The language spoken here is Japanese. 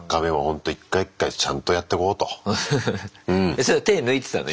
それ手抜いてたの？